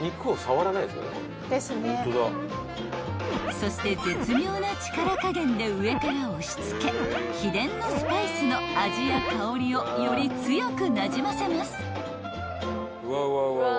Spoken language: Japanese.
［そして絶妙な力加減で上から押し付け秘伝のスパイスの味や香りをより強くなじませます］